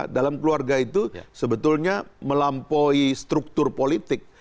dalam keluarga itu sebetulnya melampaui struktur politik